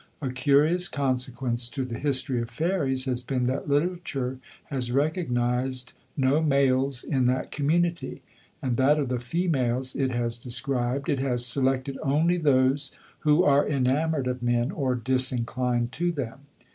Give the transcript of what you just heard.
A curious consequence to the history of fairies has been that literature has recognised no males in that community, and that of the females it has described it has selected only those who are enamoured of men or disinclined to them.